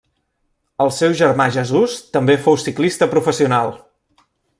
El seu germà Jesús també fou ciclista professional.